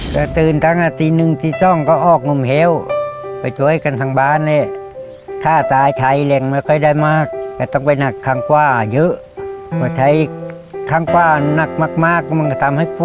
สามส์ถามสำหรับเรื่องนี้ก็คือสติ้กเเกอร์คำสั่งเมียดี้เมียใส่ชุดสีอะไร